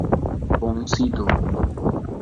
Von Sydow